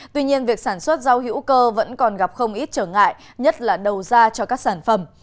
tuy nhiên việc sản xuất rau hữu cơ vẫn còn gặp không ít trở ngại nhất là đầu ra cho các sản phẩm